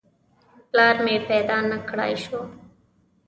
پلار مې پیدا نه کړای شو.